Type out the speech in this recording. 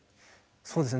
そうですね。